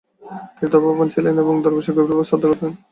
তিনি ধর্মপ্রান ছিলেন এবং দরবেশদের গভীরভাবে শ্রদ্ধা করতেন।